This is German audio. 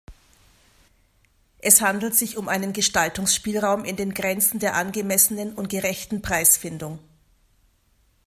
Es handelt sich um einen Gestaltungsspielraum in den Grenzen der angemessenen und gerechten Preisfindung.